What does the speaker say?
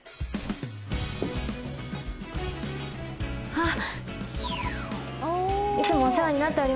あっ！